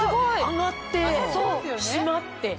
上がって締まって。